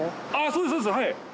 そうですそうですはい。